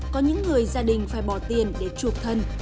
có những người gia đình phải bỏ tiền để chuộc thân